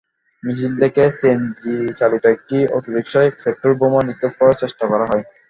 মিছিল থেকে সিএনজিচালিত একটি অটোরিকশায় পেট্রলবোমা নিক্ষেপ করার চেষ্টা করা হয়।